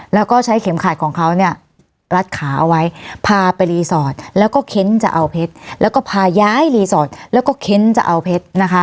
แล้วก็ใช้เข็มขาดของเขาเนี่ยรัดขาเอาไว้พาไปรีสอร์ทแล้วก็เค้นจะเอาเพชร